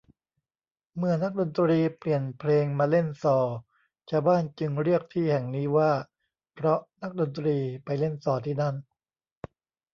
เมื่อนักดนตรีเปลี่ยนเพลงมาเล่นซอ ชาวบ้านจึงเรียกที่แห่งนี้ว่า เพราะนักดนตรีไปเล่นซอที่นั่น